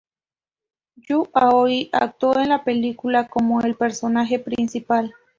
Yū Aoi actuó en la película como el personaje principal.